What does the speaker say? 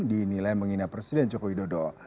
dinilai menghina presiden jokowi dodo